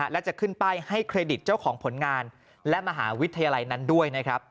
และจะขึ้นป้ายให้เครดิตเจ้าของผลงานและมหาวิทยาลัยนั้นด้วยนะครับ